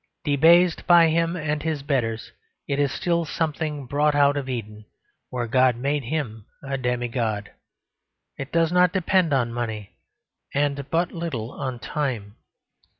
Debased by him and his betters, it is still something brought out of Eden, where God made him a demigod: it does not depend on money and but little on time.